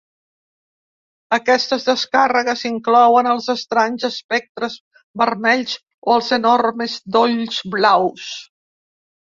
Aquestes descàrregues inclouen els estranys espectres vermells o els enormes dolls blaus.